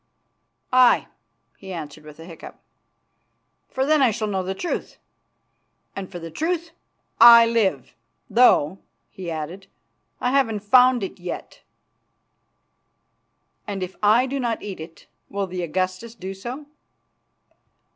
"Aye," he answered with a hiccough, "for then I shall know the truth, and for the truth I live, though," he added, "I haven't found it yet." "And if I do not eat it, will the Augustus do so?"